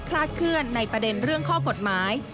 ลาดเคลื่อนในประเด็นเรื่องข้อกฎหมาย